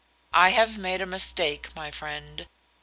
I have made a mistake, my friend.